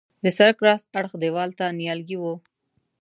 د سړک راست اړخ دیوال ته نیالګي وه.